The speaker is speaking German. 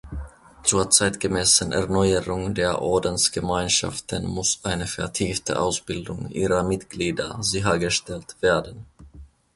Zur zeitgemäßen Erneuerung der Ordensgemeinschaften muss eine vertiefte Ausbildung ihrer Mitglieder sichergestellt werden.